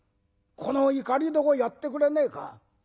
このいかり床やってくれねえか？